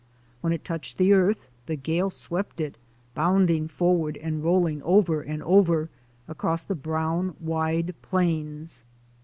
When it touched the earth the gale swept it, bounding forward and rolling over and over, across the brown, wide plains.